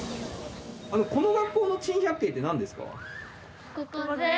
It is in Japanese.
この学校の珍百景ってなんですか？